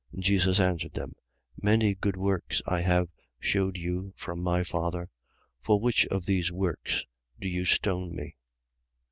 10:32. Jesus answered them: Many good works I have shewed you from my Father. For which of those works do you stone me?